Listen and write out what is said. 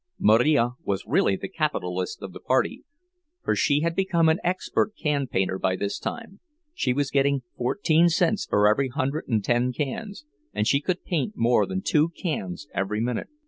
Marija was really the capitalist of the party, for she had become an expert can painter by this time—she was getting fourteen cents for every hundred and ten cans, and she could paint more than two cans every minute.